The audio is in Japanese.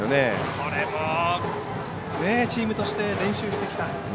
これもチームとして練習してきた。